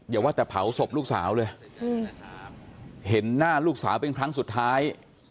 อย่าว่าแต่เผาศพลูกสาวเลยเห็นหน้าลูกสาวเป็นครั้งสุดท้าย